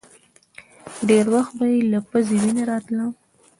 ډېر وخت به يې له پزې وينه راتله.